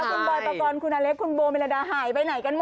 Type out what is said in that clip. พี่โบยปกรณ์คุณอเลสคุณบลว์เมรดาหายไปไหนกันหมด